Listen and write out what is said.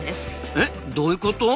えどういうこと？